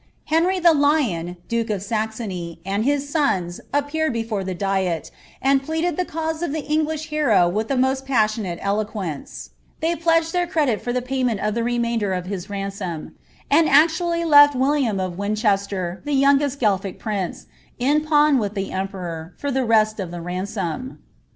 Henry the Lion, duke of Saxony,' and his sons, appeared before the diet, end pleaded the cause of the Englisii hero with the most passionate elo qvence ; they pledged their credit for the payment of the remainder of hit ransom, and actually left William of Winchester, the youngest Gaelphic prince, in pawn with the emperor, for the rest of the ransom.